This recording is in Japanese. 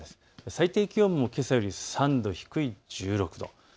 最低気温もけさより３度低い１６度。